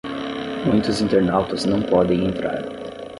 Muitos internautas não podem entrar